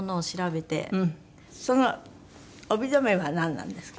その帯留めはなんなんですか？